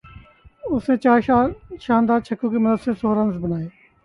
اس نے چار شاندار چھکوں کی مدد سے سو رنز بنائے